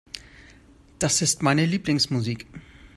Das ist meine Lieblingsmusik.